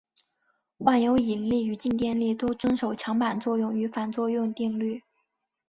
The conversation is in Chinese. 万有引力与静电力都遵守强版作用与反作用定律。